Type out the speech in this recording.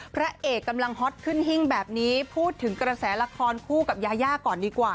พระเอกกำลังฮอตขึ้นหิ้งแบบนี้พูดถึงกระแสละครคู่กับยายาก่อนดีกว่า